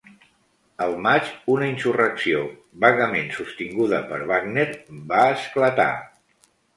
El maig, una insurrecció -vagament sostinguda per Wagner- va esclatar.